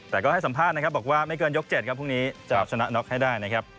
แต่ก็ให้สัมภาษณ์นะครับบอกว่าไม่เกินยก๗ครับพรุ่งนี้จะชนะน็อกให้ได้นะครับ